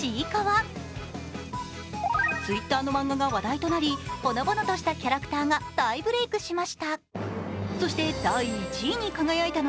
Ｔｗｉｔｔｅｒの漫画が話題となり、ほのぼのとしたキャラクターが大ブレークしました。